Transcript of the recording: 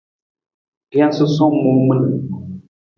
Rijang susowang muu min.